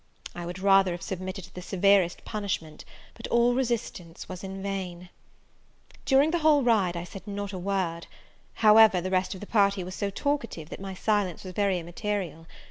I would rather have submitted to the severest punishment; but all resistance was vain. During the whole ride I said not a word: however, the rest of the party were so talkative, that my silence was very immaterial.